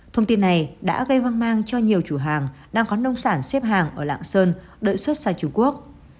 thông tin này đã gây hoang mang cho nhiều chủ hàng đang có nông sản xếp hàng ở lạng sơn đợi xuất sang trung quốc